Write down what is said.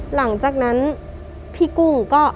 หลังจากนั้นพี่กุ้งก็